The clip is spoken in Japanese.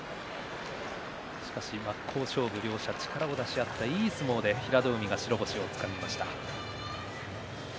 真っ向勝負、両者力を出し合ったいい相撲で平戸海が白星をつかみました。